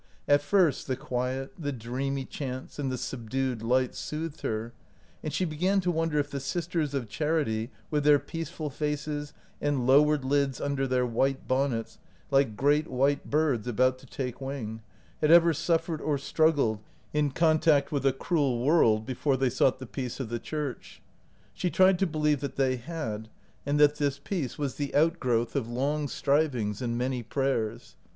At first the quiet, the dreamy chants, and the subdued light soothed her, and she began to wonder if the sisters of charity, with their peaceful faces and low ered lids under their white bonnets, like great white birds about to take wing, had ever suffered or struggled in contact with a cruel world before they sought the peace of the church. She tried to believe that they had, and that this peace was the outgrowth of 92 OUT OF BOHEMIA long strivings and many prayers.